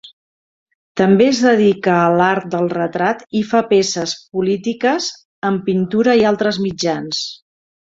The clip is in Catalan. També es dedica a l'art del retrat i fa peces polítiques, amb pintura i altres mitjans.